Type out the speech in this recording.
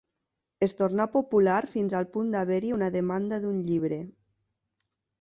Es tornà popular fins al punt d'haver-hi una demanda d'un llibre.